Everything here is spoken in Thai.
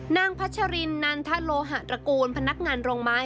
พัชรินนันทะโลหะตระกูลพนักงานโรงไม้